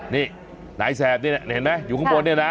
นี่นายแสบนี่เห็นไหมอยู่ข้างบนเนี่ยนะ